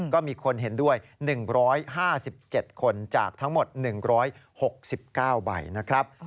ก็มีคนเห็นด้วย๑๕๗คนจากทั้งหมด๑๖๙ใบนะครับ